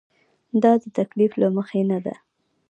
دا د تکلف له مخې نه ده.